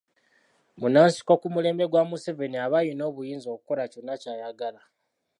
Munnansiko ku mulembe gwa Museveni aba ayina obuyinza okukola kyonna ky'ayagala.